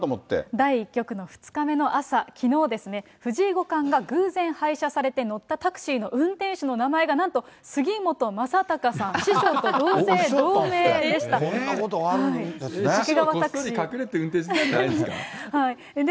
第１局の２日目の朝、きのうですね、藤井五冠が偶然配車されて乗ったタクシーの運転手の名前がなんと、杉本昌隆さん、こんなことがあるんですね。